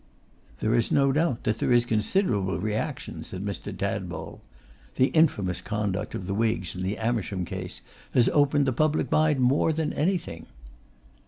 'There is no doubt that there is considerable reaction,' said Mr. Tadpole. The infamous conduct of the Whigs in the Amersham case has opened the public mind more than anything.